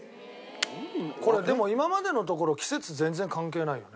これでも今までのところ季節全然関係ないよね。